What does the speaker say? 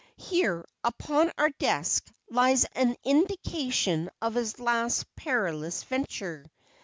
Here, upon our desk, lies an indication of his last perilous venture.